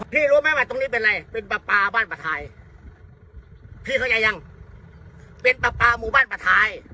รู้ไหมว่าตรงนี้เป็นอะไรเป็นปลาปลาบ้านปลาทายพี่เข้าใจยังเป็นปลาปลาหมู่บ้านปลาทาย